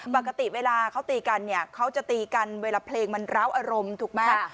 ปกติเวลาเขาตีกันเนี่ยเขาจะตีกันเวลาเพลงมันร้าวอารมณ์ถูกไหม